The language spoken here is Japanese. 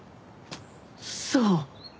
そう。